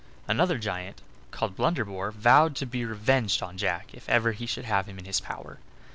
Another giant, called Blunderbore, vowed to be revenged on Jack if ever he should have him in his power.